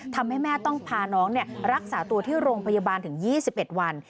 ทำให้แม่ต้องพาน้องรักษาตัวที่โรงพยาบาลถึง๒๑วัน